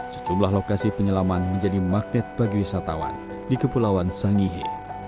sejumlah lokasi penyelaman menjadi magnet bagi wisatawan di kepulauan sangihe